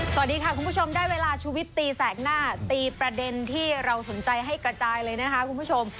สวัสดีค่ะคุณผู้ชมได้เวลาชุวิตตีแสกหน้าตีประเด็นที่เราสนใจให้กระจายเลยนะคะคุณผู้ชม